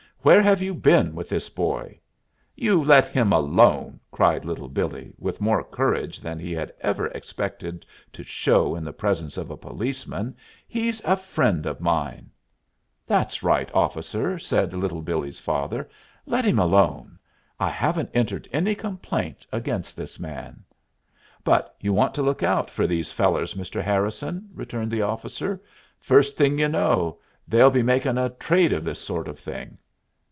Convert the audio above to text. Where have you been with this boy?" "You let him alone!" cried Little Billee, with more courage than he had ever expected to show in the presence of a policeman. "He's a friend of mine." "That's right, officer," said Little Billee's father; "let him alone I haven't entered any complaint against this man." "But you want to look out for these fellers, Mr. Harrison," returned the officer. "First thing you know they'll be makin' a trade of this sort of thing."